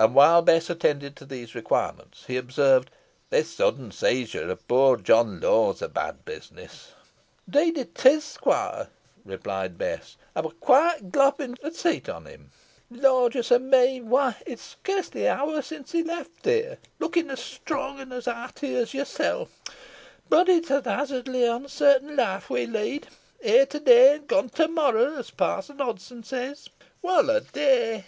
And while Bess attended to these requirements, he observed, "This sudden seizure of poor John Law is a bad business." "'Deed on it is, squoire," replied Bess, "ey wur quite glopp'nt at seet on him. Lorjus o' me! whoy, it's scarcely an hour sin he left here, looking os strong an os 'earty os yersel. Boh it's a kazzardly onsartin loife we lead. Here to day an gone the morrow, as Parson Houlden says. Wall a day!"